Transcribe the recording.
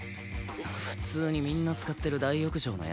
普通にみんな使ってる大浴場のやつだし。